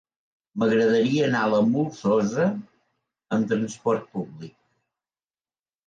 M'agradaria anar a la Molsosa amb trasport públic.